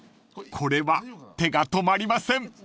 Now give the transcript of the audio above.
［これは手が止まりません］